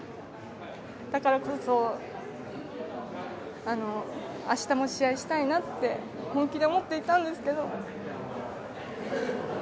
だからこそ明日も試合したいなって本気で思っていたんですけど。